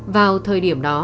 vào thời điểm đó